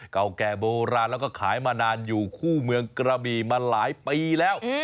เก่าแก่โบราณแล้วก็ขายมานานอยู่คู่เมืองกระบี่มาหลายปีแล้ว